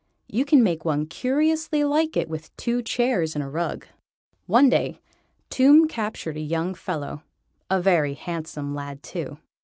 You can make one curiously like it with two chairs and a rug. One day Tomb captured a young fellow a very handsome lad too.